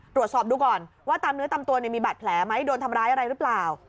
ตรวจสอบดูก่อนว่าตามเนื้อตามตัวมีบาดแผลไหมโดนทำร้ายอะไรหรือเปล่า